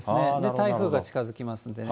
台風が近づきますのでね。